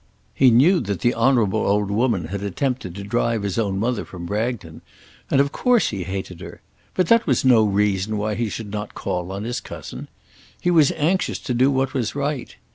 He knew that the Honourable old woman had attempted to drive his own mother from Bragton, and of course he hated her. But that was no reason why he should not call on his cousin. He was anxious to do what was right.